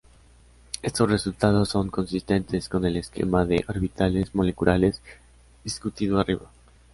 Estos resultados son consistentes con el esquema de orbitales moleculares discutido arriba.